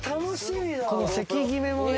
「この席決めもね」